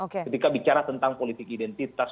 ketika bicara tentang politik identitas